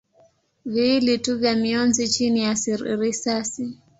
viwili tu vya mionzi chini ya risasi.